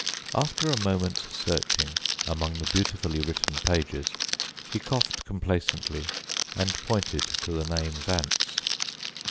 After a moment's searching among the beautifully written pages, he coughed complacently, and pointed to the name Vance.